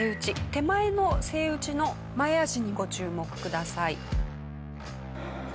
手前のセイウチの前足にご注目ください。